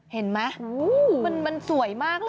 เห็นไหมมันสวยมากเลย